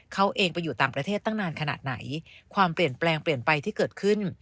เขาเองไปอยู่ต่างประเทศตั้งนานขนาดไหนความเปลี่ยนแปลงเปลี่ยนไปที่เกิดขึ้น